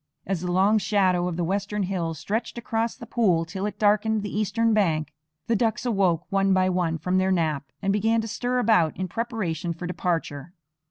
As the long shadow of the western hill stretched across the pool till it darkened the eastern bank, the ducks awoke one by one from their nap, and began to stir about in preparation for departure.